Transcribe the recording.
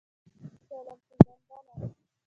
چلند پېژندنه